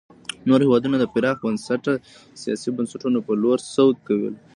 نور هېوادونه د پراخ بنسټه سیاسي بنسټونو په لور سوق کول.